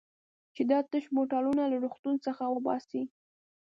چې دا تش بوتلونه له روغتون څخه وباسي.